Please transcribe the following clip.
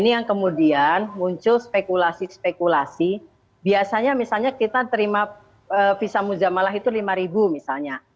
jadi biasanya misalnya kita terima visa muzamalah itu rp lima misalnya